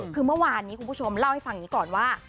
คือเมื่อวานนี้คุณผู้ชมเล่าให้ฟังอย่างนี้ก่อนว่า